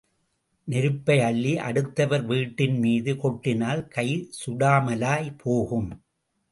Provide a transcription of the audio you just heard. நெருப்பை அள்ளி அடுத்தவர் வீட்டின் மீது கொட்டினால் கை சுடாமலா போகும்?